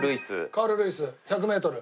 カール・ルイス１００メートル。